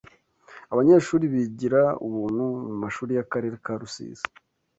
ABANYESHURI Bigira UBUNTU MU MASHURI Y’AKARERE KA RUSIZI